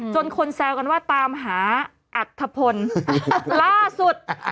คนแซวกันว่าตามหาอัธพลล่าสุด